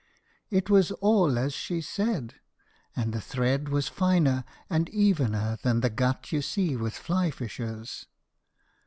It was all as she said; and the thread was finer and evener than the gut you see with fly fishers.